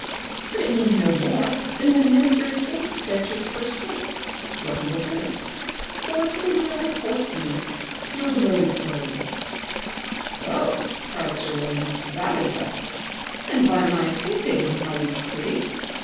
But it means no more, than when a minister of state says to his first clerk, your humble servant, or to the widow of a poor seaman, your devoted slave." "Oh," cried sir William, "that is all. And by my faith, it is mighty pretty.